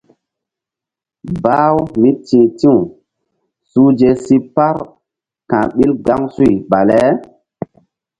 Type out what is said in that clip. Bah-u mí ti̧h ti̧w suhze si par ka̧h ɓil gaŋsuy bale.